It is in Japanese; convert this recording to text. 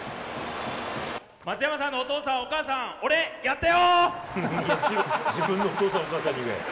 松山さんのお父さん、お母さん、俺やったよー！